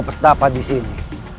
bertapa di sini